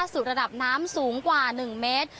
สู่ระดับน้ำสูงกว่า๑เมตร